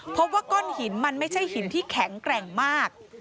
พบว่าก้อนหินมันไม่ใช่หินที่แข็งแกร่งมาก